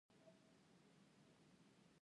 دوی ورو ورو ټول هند ونیو.